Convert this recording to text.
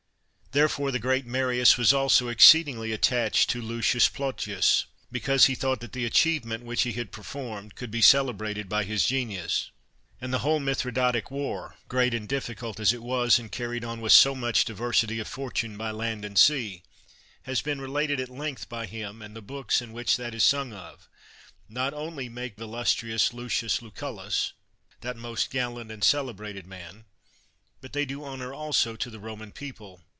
'* Therefore, the great Marius was also exceedingly attached to Lucius Plotius, because he thought that the achievement which he had performed could be celebrated by his genius. And the whole Mithridatic War, great and difficult as it was, and carried on with so much diversity of fortune by land and sea, has been related at length by him ; 142 CICERO and the books in which that is sung of, not only make illustrious Lucius LucuUus, that most gal lant and celebrated man, but they do honor also to the Roman people.